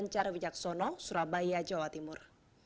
bicara bijak sono surabaya jawa timur